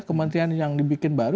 kementerian yang dibikin baru